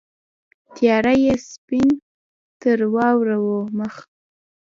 تیاره یې سپین تر واورو مخ